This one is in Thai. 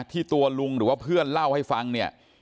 ที่ตัวลุงหรือว่าเพื่อนเล่าให้ฟังเนี่ย